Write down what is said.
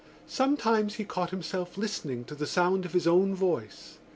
Sometimes he caught himself listening to the sound of his own voice.